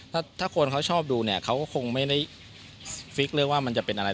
ถ้าคนเขาชอบดูเนี่ยเขาก็คงไม่ได้ฟิกเรื่องว่ามันจะเป็นอะไร